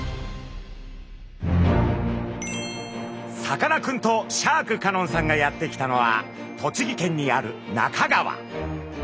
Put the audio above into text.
さかなクンとシャーク香音さんがやって来たのは栃木県にある那珂川。